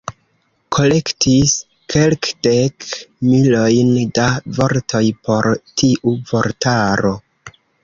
Kolektis kelkdek milojn da vortoj por tiu vortaro.